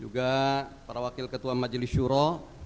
juga para wakil ketua majlis shura